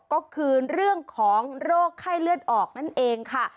ก็คือเรื่องของโรคไข้เลือดออกนั่นเองค่ะ